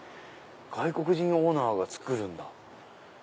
外国人オーナーが作るんだ。